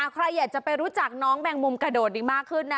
ใครอยากจะไปรู้จักน้องแมงมุมกระโดดอีกมากขึ้นนะ